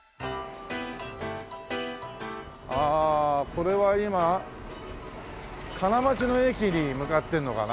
ああこれは今金町の駅に向かってるのかな？